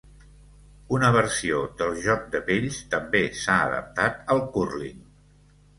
Una versió del joc de pells també s'ha adaptat al cúrling.